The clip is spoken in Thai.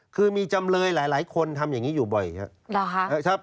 คือมีจำเลยหลายคนทำอย่างนี้อยู่บ่อยครับ